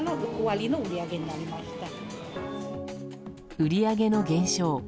売り上げの減少。